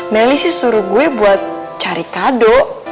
melly sih suruh gue buat cari kado